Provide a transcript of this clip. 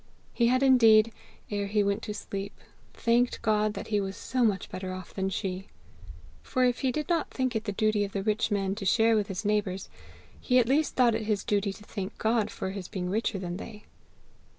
He had indeed, ere he went to sleep, thanked God that he was so much better off than she. For if he did not think it the duty of the rich man to share with his neighbours, he at least thought it his duty to thank God for his being richer than they.